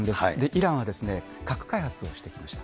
イランは核開発をしてました。